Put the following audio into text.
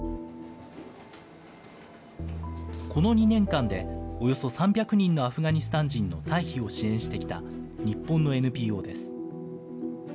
この２年間でおよそ３００人のアフガニスタン人の退避を支援してきた日本のＮＰＯです。